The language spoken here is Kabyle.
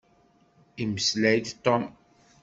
Imeslay-d Tom.